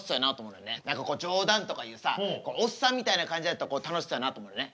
何かこう冗談とか言うさおっさんみたいな感じやったら楽しそうやなと思うよね。